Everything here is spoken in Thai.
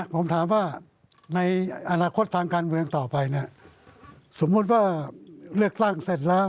ผมถามว่าในอนาคตทางการเมืองต่อไปเนี่ยสมมุติว่าเลือกตั้งเสร็จแล้ว